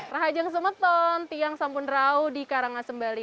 rahajang sumetan tiang sampun rau di karangasembali